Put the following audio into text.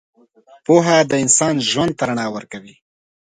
پوهه د انسان ژوند ته رڼا ورکوي.